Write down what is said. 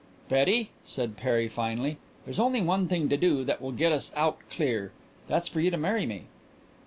"Betty," said Perry finally, "there's only one thing to do that will really get us out clear. That's for you to marry me."